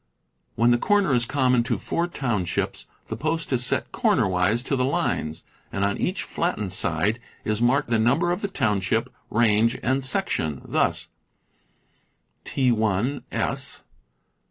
When the corner is common to four townships, the post is set cornerwise to the lines, and on each fiattened side is marked the number of the township, range, and section, thus: T. 1 S.